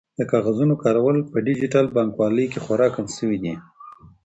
د کاغذونو کارول په ډیجیټل بانکوالۍ کې خورا کم شوي دي.